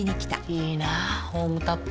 いいなホームタップ。